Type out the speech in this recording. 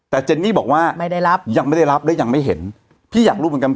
แต่เจนนี่บอกว่าไม่ได้รับยังไม่ได้รับและยังไม่เห็นพี่อยากรู้เหมือนกัน